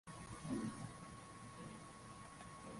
inayofanana na Ngome ya Yesu iliyopo Mombasa nchini Kenya